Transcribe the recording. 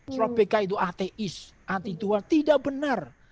soal pki itu ateis anti dua tidak benar